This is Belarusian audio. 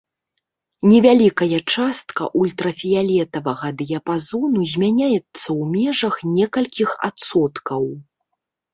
Невялікая частка ультрафіялетавага дыяпазону змяняецца ў межах некалькіх адсоткаў.